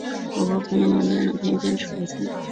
我和朋友边聊天边吃午餐